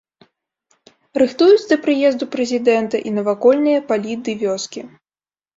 Рыхтуюць да прыезду прэзідэнта і навакольныя палі ды вёскі.